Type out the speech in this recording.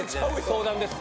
相談です。